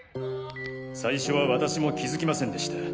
最初は私も気づきませんでした。